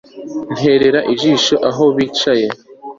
nterera ijisho aho bicaye